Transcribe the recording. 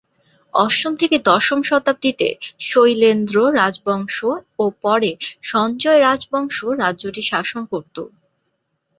অষ্টম থেকে দশম শতাব্দীতে শৈলেন্দ্র রাজবংশ ও পরে সঞ্জয় রাজবংশ রাজ্যটি শাসন করত।